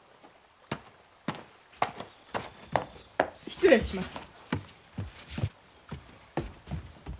失礼します。